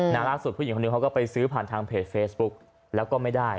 แน่นอนสุดเมืองนึงเค้าก็ไปซื้อผ่านทางเพจเฟซบุ๊คแล้วก็ไม่ได้